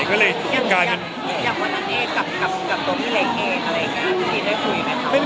อย่างนั้นเนี่ยกับตัวพี่เล็กเองอะไรอย่างนี้ได้คุยไหมครับ